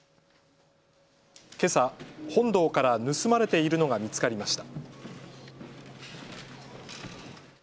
けさ本堂から盗まれているのが見つかりました。